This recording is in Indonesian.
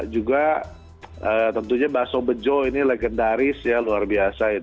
juga tentunya bakso bejo ini legendaris ya luar biasa